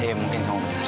iya mungkin kamu benar